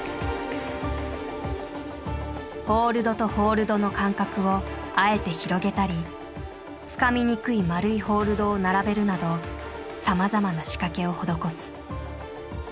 ホールドとホールドの間隔をあえて広げたりつかみにくい丸いホールドを並べるなどさまざまな仕掛けを施す。